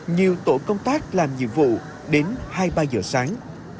nhiều tổ công tác làm nhiệm vụ đến hai mươi ba h sáng